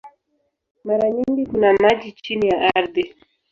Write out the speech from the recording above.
Mara nyingi kuna maji chini ya ardhi.